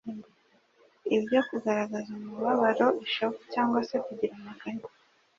ibyo kugaragaza umubabaro ishavu cyangwa se kugira amaganya.